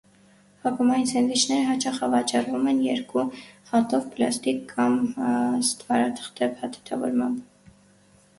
Ակումբային սենդվիչները հաճախ ավաճառվում են երկու հատով՝ պլաստիկ կամ ստվարաթղթե փաթեթավորմամբ։